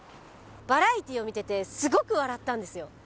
バラエティーを見ててすごく笑ったんですよ。